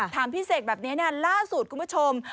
ถามพี่เสกแบบนี้ล่าสุดคุณผู้ชม